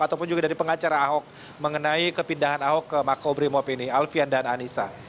ataupun juga dari pengacara ahok mengenai kepindahan ahok ke makobrimob ini alfian dan anissa